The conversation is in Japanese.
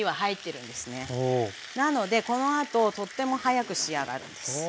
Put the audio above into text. なのでこのあととっても早く仕上がるんです。